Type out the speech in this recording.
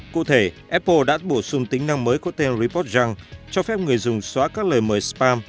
cụ thể apple đã bổ sung tính năng mới có tên reportjunk cho phép người dùng xóa các lời mời spam